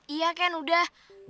iya ken udah